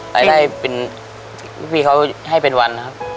รายได้เป็นพี่เขาให้เป็นวันนะครับ